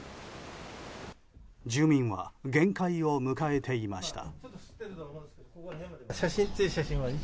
住民は限界を迎えていました。